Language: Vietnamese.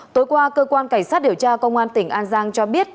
tối qua cơ quan cảnh sát điều tra công an tỉnh an giang cho biết